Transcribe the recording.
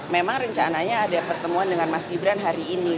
memang rencananya ada pertemuan dengan mas gibran hari ini